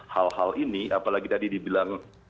hal hal ini apalagi tadi dibilang